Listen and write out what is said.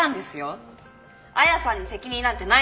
亜矢さんに責任なんてないと思います。